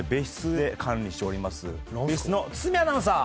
別室の堤アナウンサー！